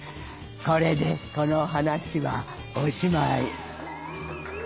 これでこの話はおしまい。